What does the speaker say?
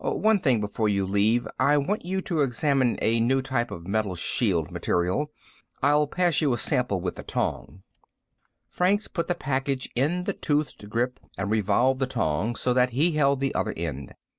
"One thing before you leave. I want you to examine a new type of metal shield material. I'll pass you a sample with the tong." Franks put the package in the toothed grip and revolved the tong so that he held the other end.